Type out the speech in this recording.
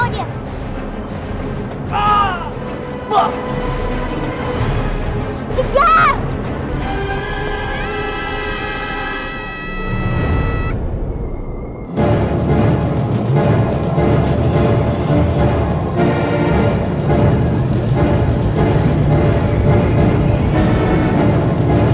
jangan lupa untuk berikan duit